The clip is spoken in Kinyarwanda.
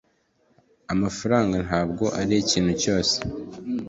amafaranga ntabwo arikintu cyose.